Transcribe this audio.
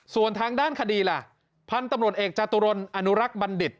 ส่วนทางด้านคดีล่ะพันธุ์ตำรวจเอกจตุรนอนุรักษ์บัณฑิต